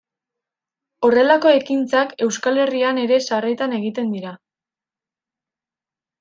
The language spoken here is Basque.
Horrelako ekintzak Euskal Herrian ere sarritan egiten dira.